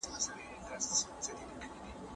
رسالت د خدای پیغام خلګو ته رسوي.